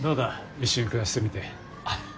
一緒に暮らしてみて。